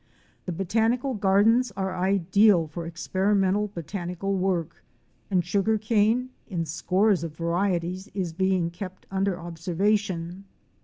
The Botanical Gardens are ideal for experimental botanical work and sugar cane in scores of varieties is being kept under observation.